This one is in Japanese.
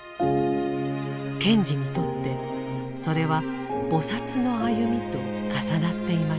賢治にとってそれは菩の歩みと重なっていました。